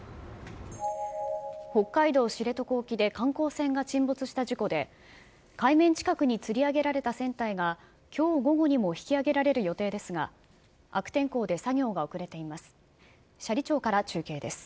北海道知床沖で観光船が沈没した事故で、海面近くにつり上げられた船体が、きょう午後にも引き揚げられる予定ですが、悪天候で作業が遅れています。